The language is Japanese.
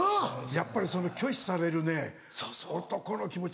やっぱりその拒否されるね男の気持ち。